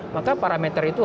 maka parameter itu